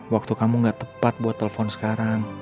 waktu kamu gak tepat buat telepon sekarang